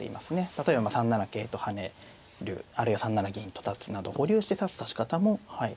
例えば３七桂と跳ねるあるいは３七銀と立つなど保留して指す指し方もはい。